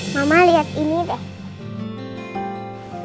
mama lihat ini deh